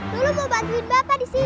dulu mau bantuin bapak disini